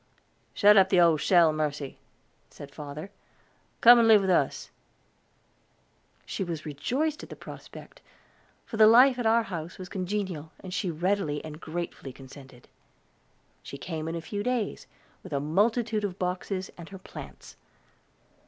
"Shut up the old shell, Mercy," said father. "Come, and live with us." She was rejoiced at the prospect, for the life at our house was congenial, and she readily and gratefully consented. She came in a few days, with a multitude of boxes, and her plants.